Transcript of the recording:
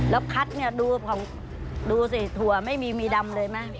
แล้วคัดดูสิถั่วไม่มีดำเลยไหม